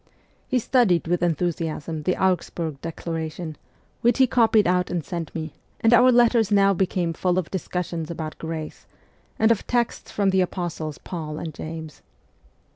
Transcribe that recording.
He studied with enthusiasm the Augsburg declaration, which he copied out and sent me, and our letters now became full of discussions about grace, and of texts from the apostles Paul and James.